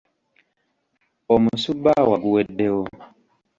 Omusubbaawa guweddewo.